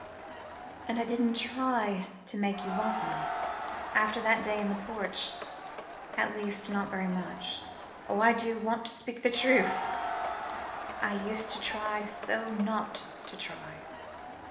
And I didn't try to make you love me after that day in the porch at least, not very much oh, I do want to speak the truth! I used to try so not to try.